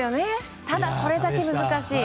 ただ、それだけ難しい。